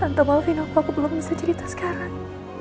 tante maafin aku aku belum bisa cerita sekarang